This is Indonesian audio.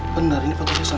bener ini foto nya sama